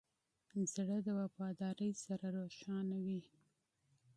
زړه د وفادارۍ سره روښانه وي.